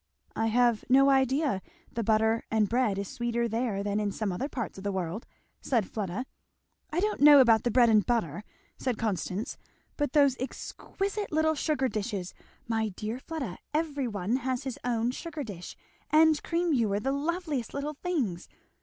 "I have no idea the bread and butter is sweeter there than in some other parts of the world," said Fleda. "I don't know about the bread and butter," said Constance, "but those exquisite little sugar dishes! My dear Fleda, every one has his own sugar dish and cream ewer the loveliest little things!